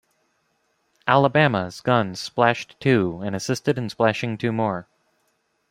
"Alabama"s guns splashed two, and assisted in splashing two more.